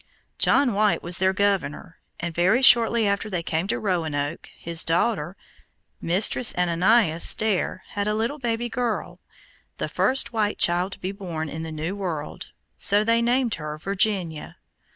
John White was their governor, and very shortly after they came to Roanoke, his daughter, Mistress Ananias Dare, had a little baby girl, the first white child to be born in the new world, so they named her Virginia.